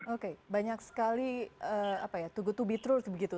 oke banyak sekali to be true begitu